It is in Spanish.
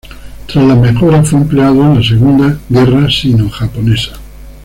Tras las mejoras, fue empleado en la Segunda Guerra Sino-Japonesa.